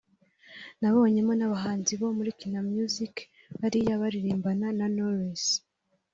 nabonyemo n’abahanzi bo muri Kina Music bariya baririmbana na Knowless